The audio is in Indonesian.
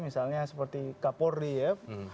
misalnya seperti kapolri ya